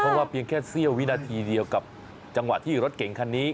เพราะว่าเพียงแค่เสี้ยววินาทีเดียวกับจังหวะที่รถเก่งคันนี้